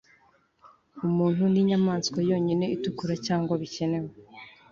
Umuntu ninyamaswa yonyine itukura Cyangwa bikenewe